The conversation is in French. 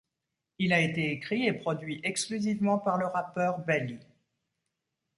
Il a été écrit et produit exclusivement par le rappeur, Belly.